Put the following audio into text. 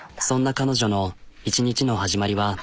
そんな彼女の一日の始まりは。